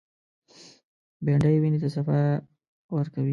بېنډۍ وینې ته صفا ورکوي